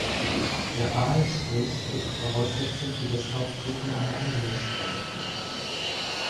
Der Aalstrich ist Voraussetzung für das Auftreten aller anderen Streifen.